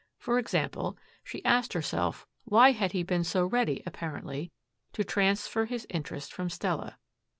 For example, she asked herself, why had he been so ready, apparently, to transfer his interest from Stella?